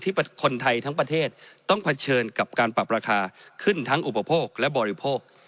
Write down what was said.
คนไทยทั้งประเทศต้องเผชิญกับการปรับราคาขึ้นทั้งอุปโภคและบริโภค